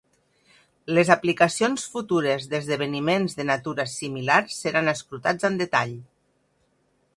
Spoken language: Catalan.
Les aplicacions futures d'esdeveniments de natura similar seran escrutats en detall.